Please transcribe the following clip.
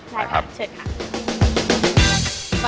ค่ะได้ครับเชิญครับ